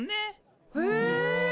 え！